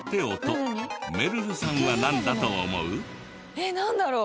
えっなんだろう？